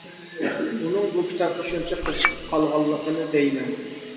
-ئۇنىڭ بۇ كىتابقا شۇنچە قىزىقىپ قالغانلىقىنى دەيمەن.